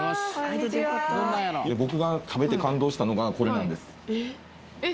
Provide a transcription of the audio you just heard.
いや僕が食べて感動したのがこれなんですえっ？